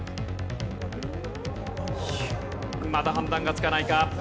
まだ判断がつかないか？